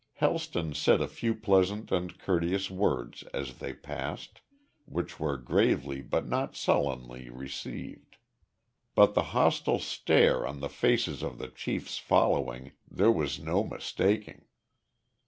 Helston said a few pleasant and courteous words as they passed, which were gravely but not sullenly, received. But the hostile stare on the faces of the chief's following, there was no mistaking.